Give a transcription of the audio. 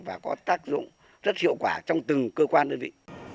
và có tác dụng rất hiệu quả trong từng cơ quan đơn vị